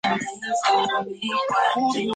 杨珙开始封为南昌郡公。